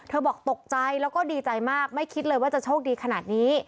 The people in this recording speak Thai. บอกตกใจแล้วก็ดีใจมากไม่คิดเลยว่าจะโชคดีขนาดนี้